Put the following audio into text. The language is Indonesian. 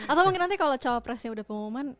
atau mungkin nanti kalau cawapresnya udah pengumuman